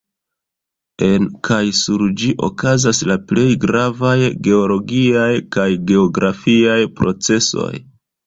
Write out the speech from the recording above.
En kaj sur ĝi okazas la plej gravaj geologiaj kaj geografiaj procesoj.